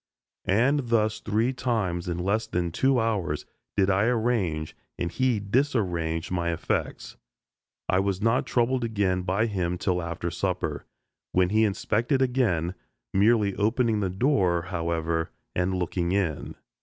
And thus three times in less than two hours did I arrange and he disarrange my effects. I was not troubled again by him till after supper, when he inspected again, merely opening the door, however, and looking in.